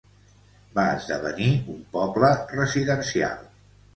Va esdevenir un poble residencial.